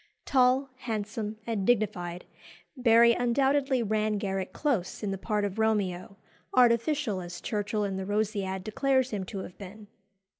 Tall, handsome, and dignified, Barry undoubtedly ran Garrick close in the part of Romeo, artificial as Churchill in the Rosciad declares him to have been.